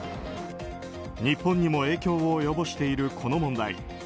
日本にも影響を及ぼしているこの問題。